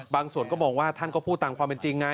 ส่วนก็มองว่าท่านก็พูดตามความเป็นจริงไง